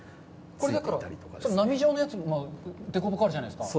これだから、波状の凸凹があるじゃないですか。